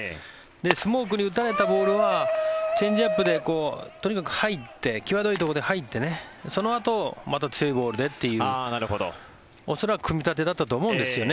スモークに打たれたボールはチェンジアップでとにかく際どいところで入ってそのあとまた強いボールでという恐らく組み立てだったと思うんですね。